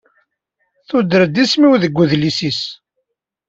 Tuder-d isem-iw deg udlis-is.